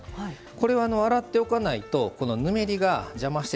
これを洗っておかないとこのぬめりが邪魔してですね